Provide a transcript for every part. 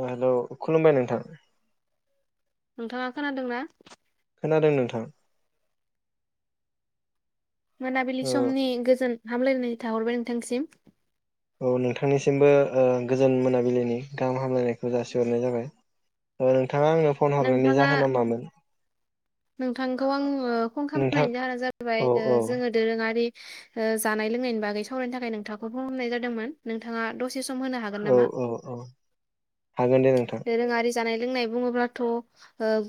अ हेल' खुलुमबाय नोंथां नोंथाङा खोनादोंना खोनादों नोंथां मोनाबिलि ओ समनि गोजोन हामलायनाय थाहरबाय नोंथांसिम। औ नोंथांनिसिमबो ओ गोजोन मोनाबिलिनि गाहाम हामलायनायखौ जासिहरनाय जाबाय ओ नोंथाङा आंनो फन हरनायनि नोंथाङा जाहोना मामोन नोंथांखौ आंङो फन नोंथां खालामनायनि जाहोना जाहैबाय औ औ जोङो दोरोङारि ओ जानाय लोंनायनि बागै सावरायनो थाखाय नोंथांखौ फन खालामनाय जादोंमोन नोंथाङा दसे सम होनो हागोन औ नामा? औ औ हागोन दे नोंथां दोरोङारि जानाय लोंनाय बुङोब्ला थ' ओ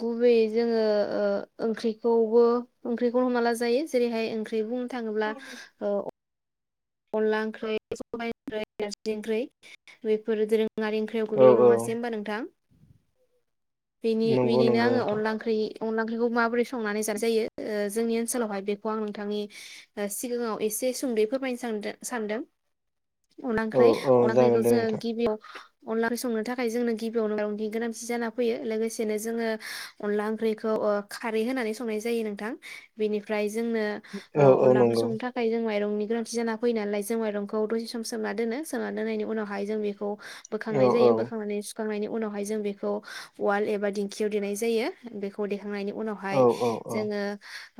गुबैयै जोङो ओ ओंख्रिखौबो ओंख्रिखौ हमनालाजायो जेरैहाय ओंख्रै बुङो। थाङोब्ला ओ अनला ओंख्रि सबाय ओंख्रि नारजि ओंख्रि बेफोर जेरै ङारि ओंख्रियाव औ गोग्लैयो औ नङासै होनबा नोंथां? बिनि नंगौ बिनिनो नंगौ आङो नोंथां अनला ओंख्रि अनदला ओंख्रिखौ माबोरै संनानै जाजायो जोंनि ओनसोलावहाय बेखौ आं नोंथांनि सिगाङाव एसे सुंदै फोरमायनो [unintelligible] सानदों अनला औ ओंख्रि औ अनला जागोन ओंख्रिखौ दे जोंङो नोंथां गिबियाव अनला ओंख्रि संनो थाखाय जोंनो गिबियावनो [unintelligible] गोनांथि जाना फैयो लोगोसेनो जोङो अनला ओंख्रिखौ खारै होनानै संनाय जायो नोंथां बेनिफ्राय जोंनो औ औ अनलाफोर नंगौ संनो थाखाय जों माइरं नि गोनां जाना फैयो नालाय जों माइरंखौ दसे सम सोमना दोनो सोमना दोननायनि उनावहाय जों बेखौ औ बोखांनाय औ जायो बोखांनानै खांनायनि उनावहाय जों बेखौ वाल एबा दिंखियाव देनाय जायो बेखौ दे खांनायनि औ उनावहाय औ औ जोङो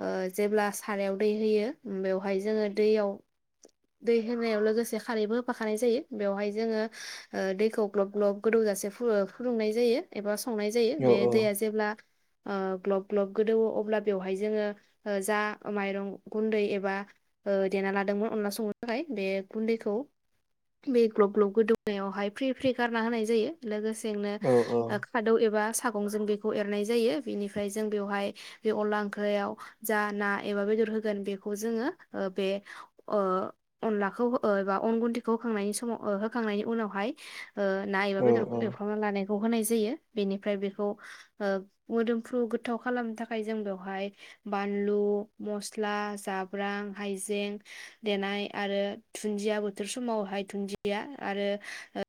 ओ जेब्ला सारायाव दै होयो बेवहाय जोङो दैयाव दै होनायाव लोगोसे खारैबो होफाखानाय जायो बेवहाय जोङो ओ दैखौ ग्लब ग्लब गोदौजासे‌ फुयो फुदुंनाय जायो एबा संनाय जायो औ बे दैया जेब्ला ओ ग्लब ग्लब गोदौवो अब्ला बेवहाय जोङो ओ जा माइरं गुन्दै एबा ओ देना लाद दोंमो अनला संनो थाखाय बे गुन्दैखौ बे ग्लब ग्लब गोदौनायावहाय फ्रि फ्रि गारना होनाय जायो लोगोसे औ जोंनो खादौ एबा सागंजों बेखौ एरनाय जायो बेनिफ्राय जों बेवहाय बे अनला ओंख्रियाव जा ना एबा बेदर होगोन बेखौ जोङो ओ बे अ अनलाखौ ओ एबा अन गुनदैखौ होखांनायनि समाव ओ होखांनायनि उनावहाय ओ ना एबा औ बेदरखौ औ एवफ्रामना लानाय फौ होनाय जायो बेनिफ्राय बेखौ ओ मोदोमफ्रु गोथाव खालामनो थाखाय जों बेवहाय बानलु मस्ला जाब्रां हाइजें देनाय आरो दुन्दिया बोथोर समावहाय दुन्दिया आरो ओ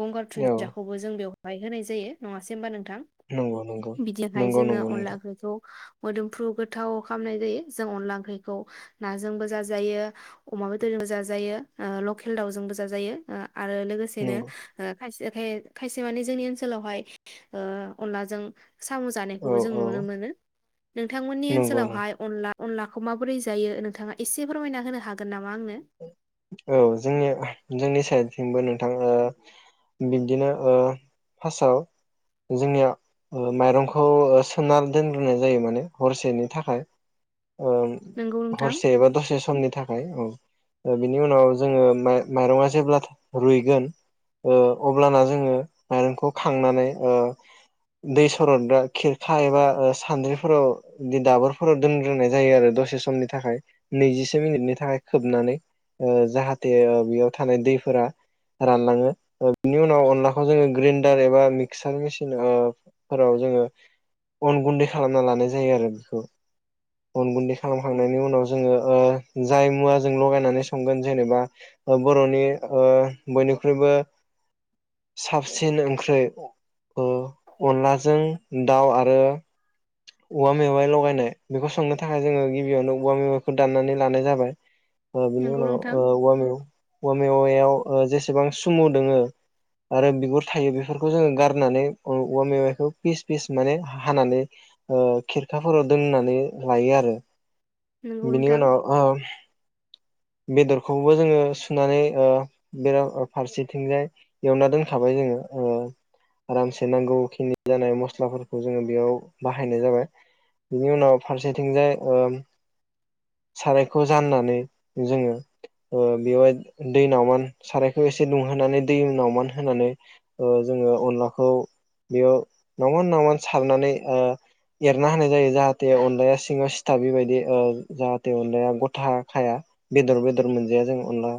गंगार दुनदियाखौबो जों बेयाव बाय होनाय जायो नङासै होनबा नों थां नंगौ नंगौ बिदिहाय नंगौ नंगौ जोङो अनला नोंथां ओंख्रैखौ मोदोमफ्रु गोथाव खालामनाय जायो जों अनला ओंख्रिखौ नाजोंबो जाज जायो अमा बेदरजोंबो जाजायो ओ लकेल दाउजोंबो जाजायो ओ आरो लोगोसेनो नंगौ ओ खायसेखाय खायसे मानि जोंनि ओनसोलावहाय ओ अनलाजों साम' औ जानायखौबो जों औ नुनो मोनो नोंथांमोननि नंगौ नों ओनसोलावहाय अनला अनलाखौ माबोरै जायो नोंथाङा एसे एसे फोरमायना होनो हागोन नामा आंनो? औ जोङो जोंनि साइदथिंबो नोंथां ओ बिदिनो ओ फार्स्टआव जोंनिया ओ माइरंखौ ओ सोमना दोनग्रोनाय जायो माने हरसेनि थाखाय। ओ नंगौ नोंथां हरसे एबा दसे समनि थाखाय औ। बिनि उनाव जोङो माइ माइरङा जेब्ला रुइगोन ओ अब्लाना जोङो माइरंखौ ओ खांनानै दै सरदा खिरखा एबा ओ सान्द्रिफोराव दाबोरफोराव दोनग्रोनाय जायो आरो दसे समनि थाखाय नैजिसे मिनिटनि थाखाय खोबनानै ओ जाहाथे बेयाव थानाय दैफोरा रानलाङो ओ बिनि उनाव अनलाखौ जोङो ग्रेन्डार एबा मिक्सार मेसिन‌आव फोराव जोङो अन गुन्दै खालामना लानाय जायो आरो बेखौ अन गुन्दै खालामखांनायनि उनाव जोङो ओ जाय मुवााजों लगायनानै संगोन जेनेबा ओ‌ बर'नि ओ बयनिख्रुइबो साबसिन ओंख्रि ओ अनलाजों दाउ आरो औवा मेवाइ लगायनाय बेखौ सोंनो थाखाय जोङो गिबियावनो औवा मेवाइखौ दान्नानै लानाय जाबाय। ओ बिनि नंगौ उनाव नोंथां ओ औवा मेव औवा‌ मे औवायाव ओ जेसेबां सुमु दोङो आरो बिगुर थायो बेफोरखौ जोङो गारनानै औ औवा मेवाइखौ फिस फिस माने हानानै ओ खिरखाफोराव दोननानै लायो आरो नंगौ बिनि नोंथां उनाव आम बेदरखौबो जोङो सुनानै ओ बेरा फारसेथिंजाय एवना दोनखाबाय जोङो ओ आरामसे नांगौ खिनि जानाय मस्लाफोरखौ जोङो बेयाव बाहायनाय जाबाय बेनि उनाव फारसेथिंजाय ओ सारायखौ जाननानै जोङो ओ बेवहाय दै नावमान सारायखौ एसे दुंहोनानै दै नावमान होनानै ओ जोङो अनलाखौ बेयाव नावान नावमान सारनानै ओ एरना होनाय जायो जाहाथे अनलाया सिङाव सिथाबै बायदि ओ जाहाथे अनलाया गथा खाया बेदर बेदर मोनजाया जों अनला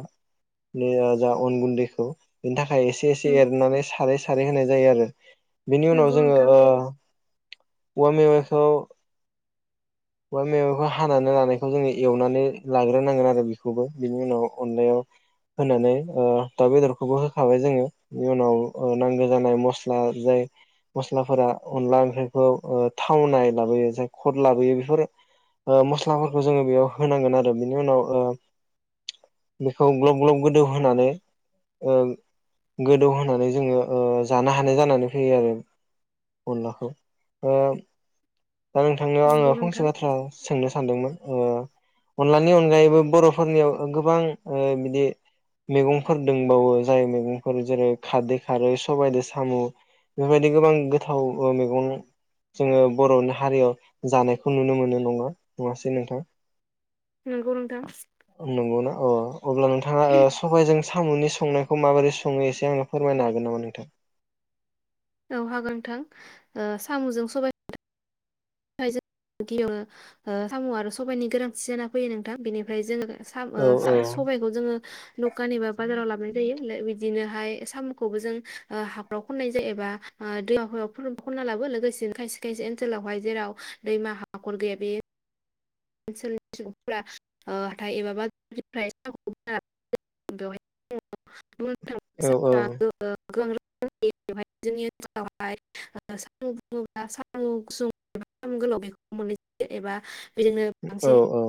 नि जा अन गुन्दैखौ बेनि थाख फाय एसे एसे एरनानै सारै सारै होनाय जायो आरो बिनि उनाव नंगौ जोङो नोंथां ओ औवा मेवाइखौ औवा मेवाखौ हानानै लानायखौ जोंनि एवनानै लाग्रोनांगोन आरो दा बेखौबो बिनि उनाव अनलायाव होनानै ओह दाउ बेदरखौबो होखाबाय जोङो बेनि उनाव ओ नांगौ जानाय मस्ला जाय मस्लाफोरा अनला ओंख्रिखौ ओह थावनाय लाबोयो जाय खद लाबोयो बेफोर ओह मस्लाफोरखौ जोङो बेयाव होनांगोन आरो बेनि उनाव ओ बेखौ ग्लब ग्लब गोदौ होनानै ओ गोदौहोनानै जोङो ओ जानो हानाय जानानै फैयो आरो अनलाखौ ओ दा नोंथांनियाव आङो नंगौ नोंथां फंसे बाथ्रा सोंनो सानदोंमोन? ओह अनलानि अनगायैबो बर'फोरनियाव ओ गोबां ओ बिदि मैगंफोर दोंबावो जाय मैगंफोर जेरै खारदै खारै सबायाइजों साम' बेफोरबायदि गोबां गोथाव ओह मैगं जोङो बर'नि हारियाव जानायखौ नुनो मोनो नङा नङासै नोंथां नोंगौ नोंथां अह अब्ला नोंथाङा ओह साबाइजों साम'नि संनायखौ माबोरै सङो एसे आंनो फोरमायनो हागोन नामा नोंथां? औ हागोन नोंथां ओह साम'जों सबाय गियावनो ओ साम' आरो सबायाइनि गोरांथि जाना फैयो नोंथां बेनिफ्राय जोङो साम ओ औ सा औ सबाइखौ जोङो दकान एबा बाजाराव लाब जायो बिदिनोहाय सामखौबो जों ओह हाखराव खननाय जायो एबा ओह दैमाफोराव फुरबो खनना लाबो लोगोसेनो खायसे खायसे ओनसोलावहाय जेराव दैमा हाखर गैया बे ओनसोलनि सुबुंफोरा ओह हाथाय एबा बाजारनिफ्राय औ [unintelligible] [unintelligible] [unintelligible] सामु गोलाव बेखौ मोननाय जायो एबा बेजोंनो औ बांसिन औ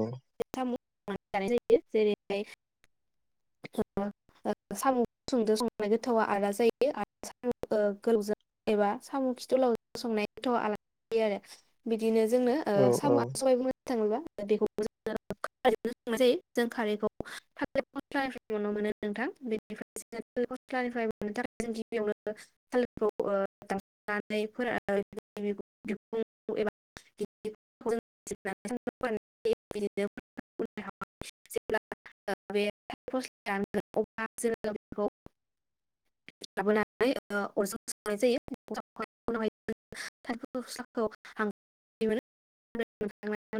सामु [unintelligible] बिदिनो जोंनो औ ओह औ सामुआ [unintelligible] [unintelligible] [unintelligible] [unintelligible]